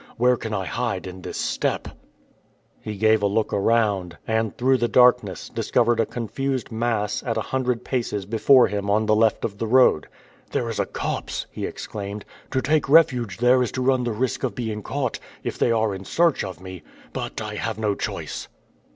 Where can I hide in this steppe?" He gave a look around, and, through the darkness, discovered a confused mass at a hundred paces before him on the left of the road. "There is a copse!" he exclaimed. "To take refuge there is to run the risk of being caught, if they are in search of me; but I have no choice."